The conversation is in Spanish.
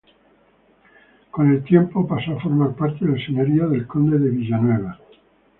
Con el tiempo pasó a formar parte del señorío del conde de Villanueva.